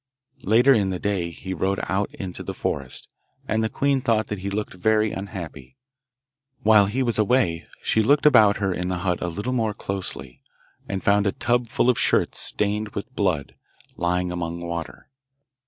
Later in the day he rode out into the forest, and the queen thought that he looked very unhappy. While he was away she looked about her in the hut a little more closely, and found a tub full of shirts stained with blood, lying among water.